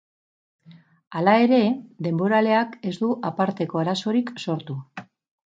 Hala ere, denboraleak ez du aparteko arazorik sortu.